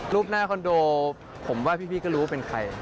หน้าคอนโดผมว่าพี่ก็รู้ว่าเป็นใคร